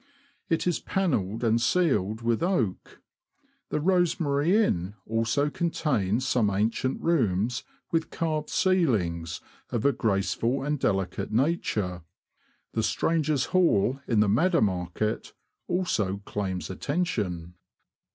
It is panelled and ceiled with oak. The Rosemary Inn also contains some ancient rooms with carved ceilings, of a graceful and delicate nature. The Strangers' Hall^ in the Maddermarket, also claims attention.